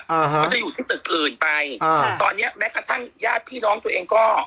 เขาจะอยู่ที่ตึกอื่นไปอ่าตอนเนี้ยแม้กระทั่งญาติพี่น้องตัวเองก็